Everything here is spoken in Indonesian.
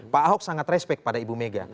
pak ahok sangat respect pada ibu mega